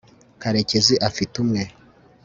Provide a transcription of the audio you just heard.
karekezi afite umwe